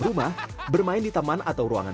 rumah bermain di teman atau ruangan